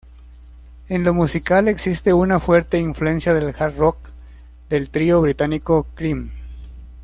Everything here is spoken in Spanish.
En lo musical, existe una fuerte influencia del hard rock del trío británico Cream.